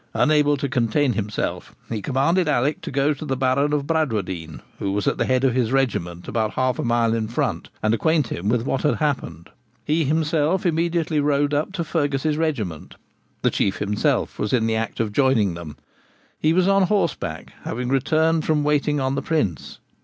Unable to contain himself, he commanded Alick to go to the Baron of Bradwardine, who was at the head of his regiment about half a mile in front, and acquaint him with what had happened. He himself immediately rode up to Fergus's regiment. The Chief himself was in the act of joining them. He was on horseback, having returned from waiting on the Prince.